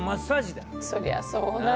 そりゃそうだ。